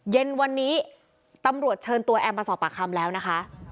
เย็นวันนี้ตำรวจเชิญตัวแอมมาสอบปากคำแล้วนะคะ